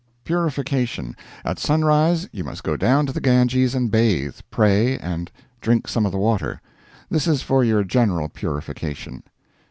Purification. At sunrise you must go down to the Ganges and bathe, pray, and drink some of the water. This is for your general purification.